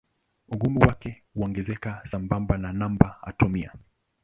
Ugumu wake huongezeka sambamba na namba atomia.